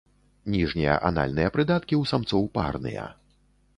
Ніжнія анальныя прыдаткі ў самцоў парныя.